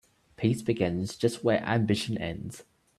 Peace begins just where ambition ends.